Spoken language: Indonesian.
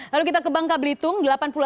lalu kita ke bangka belitung